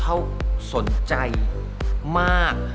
และสนใจมาก